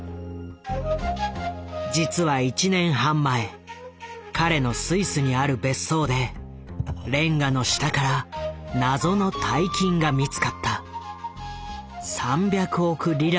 実は１年半前彼のスイスにある別荘でれんがの下から謎の大金が見つかった。